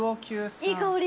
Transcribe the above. いい香り。